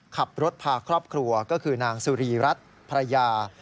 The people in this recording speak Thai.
ขับรถพาครอบครัวก็คือนางสุรีรัฐภรรยา